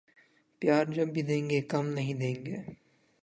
پیار جب بھی دینگے کم نہیں دینگے